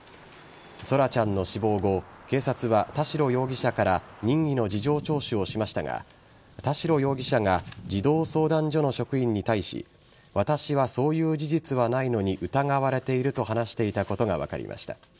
空来ちゃんの死亡後警察は田代容疑者から任意の事情聴取をしましたが田代容疑者が児童相談所の職員に対し私はそういう事実はないのに疑われていると話していたことが分かりました。